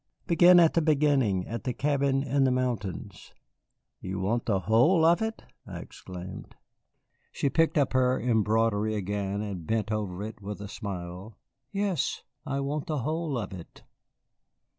Begin at the beginning, at the cabin in the mountains." "You want the whole of it!" I exclaimed. She picked up her embroidery again and bent over it with a smile. "Yes, I want the whole of it."